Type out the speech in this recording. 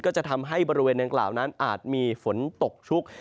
จะทำให้บริเวณดังกล่าวนั้นอาจมีฝนตกชุก